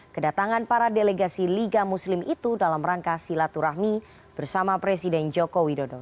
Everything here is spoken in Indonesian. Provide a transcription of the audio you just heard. kedatangan para delegasi liga muslim itu dalam rangka silaturahmi bersama presiden joko widodo